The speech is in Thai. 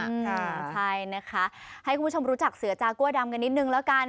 ใช่นะคะให้คุณผู้ชมรู้จักเสือจากัวดำกันนิดนึงแล้วกัน